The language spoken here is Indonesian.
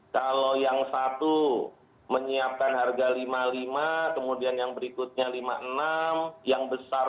kalau yang satu menyiapkan harga rp lima puluh lima kemudian yang berikutnya rp lima puluh enam yang besar